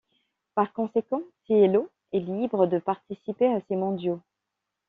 Par conséquent, Cielo est libre de participer à ces mondiaux.